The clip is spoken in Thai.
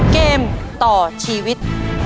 เกมต่อชีวิต